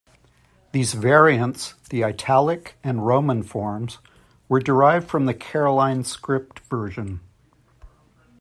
These variants, the "Italic" and "Roman" forms, were derived from the Caroline Script version.